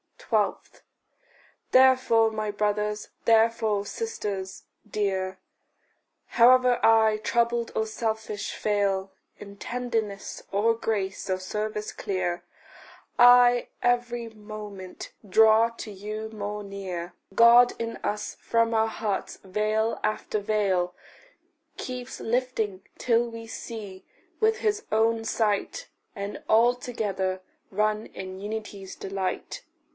12. Therefore, my brothers, therefore, sisters dear, However I, troubled or selfish, fail In tenderness, or grace, or service clear, I every moment draw to you more near; God in us from our hearts veil after veil Keeps lifting, till we see with his own sight, And all together run in unity's delight.